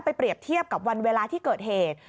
เปรียบเทียบกับวันเวลาที่เกิดเหตุ